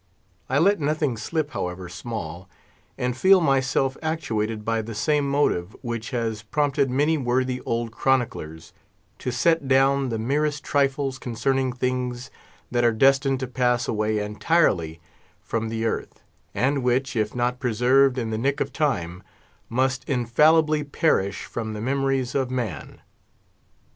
I let nothing slip, however small; and feel myself actuated by the same motive which has prompted many worthy old chroniclers, to set down the merest trifles concerning things that are destined to pass away entirely from the earth, and which, if not preserved in the nick of time, must infallibly perish from the memories of man.